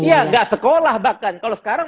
ya tidak sekolah bahkan kalau sekarang